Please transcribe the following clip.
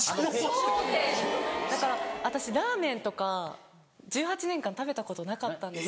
だから私ラーメンとか１８年間食べたことなかったんです。